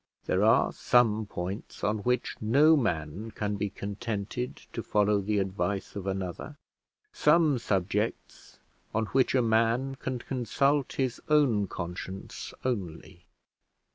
There are some points on which no man can be contented to follow the advice of another, some subjects on which a man can consult his own conscience only.